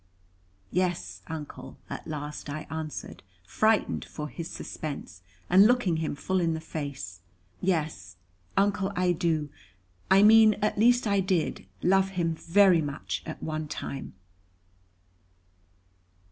"Yes, Uncle," at last I answered, frightened for his suspense, and looking him full in the face, "Yes, Uncle, I do I mean at least I did love him very much at one time."